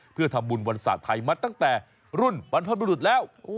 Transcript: เพื่อทำบุญวันศาสตร์ไทยมาตั้งแต่รุ่นบรรพบุรุษแล้ว